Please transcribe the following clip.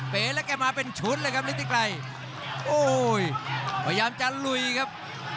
เป๋แล้วแกมาเป็นชุดเลยครับฤทธิไกรโอ้โหพยายามจะลุยครับ